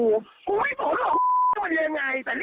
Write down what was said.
กูไม่พอหรอกไอ้มันยังไง